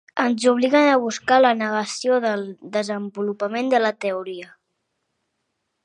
Ens obliguen a buscar la negació del desenvolupament de la teoria.